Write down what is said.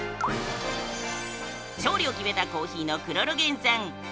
勝利を決めたコーヒーのクロロゲン酸。